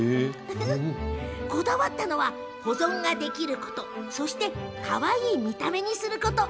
こだわったのは、保存ができてかわいい見た目にすること。